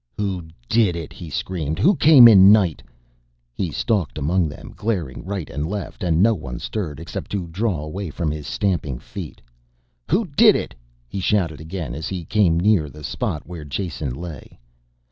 "Who did it?" he screamed. "Who came in night." He stalked among them, glaring right and left, and no one stirred except to draw away from his stamping feet. "Who did it?" he shouted again as he came near the spot where Jason lay.